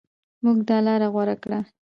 موږ دا لاره غوره کړه.